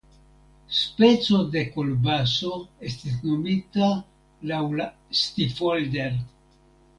Speco de kolbaso estis nomita laŭ la "Stifolder".